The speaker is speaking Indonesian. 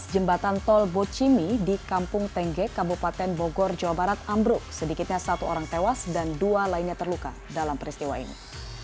jembatan tol bocimi di kampung tengge kabupaten bogor jawa barat ambruk sedikitnya satu orang tewas dan dua lainnya terluka dalam peristiwa ini